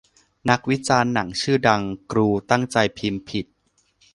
นักวิจารณ์หนังชื่อดัง กรูตั้งใจพิมพ์ผิด